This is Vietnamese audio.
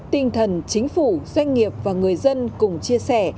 tinh thần chính phủ doanh nghiệp và người dân cùng chia sẻ